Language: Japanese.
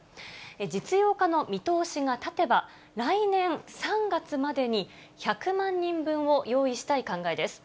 実用化の見通しが立てば、来年３月までに１００万人分を用意したい考えです。